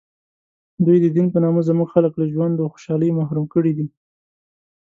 دوی د دین په نامه زموږ خلک له ژوند و خوشحالۍ محروم کړي دي.